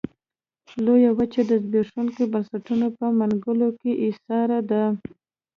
لویه وچه د زبېښونکو بنسټونو په منګلو کې ایساره ده.